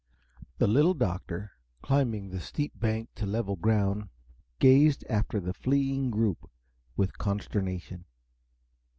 The Little Doctor, climbing the steep bank to level ground, gazed after the fleeing group with consternation.